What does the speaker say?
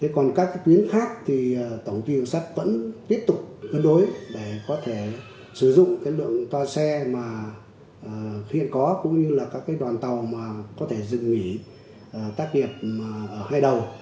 còn các tuyến khác thì tổng tiêu sắt vẫn tiếp tục cân đối để có thể sử dụng cái lượng toa xe mà hiện có cũng như là các cái đoàn tàu mà có thể dừng nghỉ tác nghiệp ở hai đầu